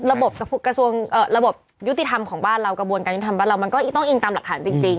กระทรวงระบบยุติธรรมของบ้านเรากระบวนการยุติธรรมบ้านเรามันก็ต้องอิงตามหลักฐานจริง